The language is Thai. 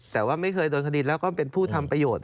แต่ว่าไม่เคยโดนคดีแล้วก็เป็นผู้ทำประโยชน์